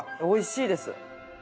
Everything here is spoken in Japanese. おいしいです。